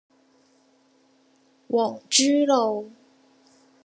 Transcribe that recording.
皇珠路